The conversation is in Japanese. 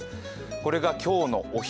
これが今日のお昼。